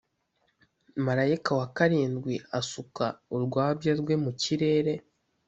Marayika wa karindwi asuka urwabya rwe mu kirere.